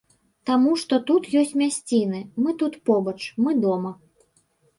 Таму што тут ёсць мясціны, мы тут, побач, мы дома.